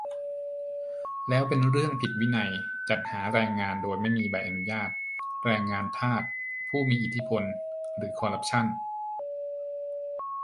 แล้วเป็นเรื่องผิดวินัย จัดหาแรงงานโดยไม่มีใบอนุญาต แรงงานทาส ผู้มีอิทธิพล หรือคอรัปชั่น ?